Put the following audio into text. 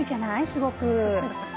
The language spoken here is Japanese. すごく。